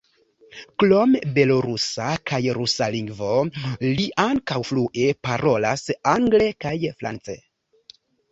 Krom belorusa kaj rusa lingvo, li ankaŭ flue parolas angle kaj france.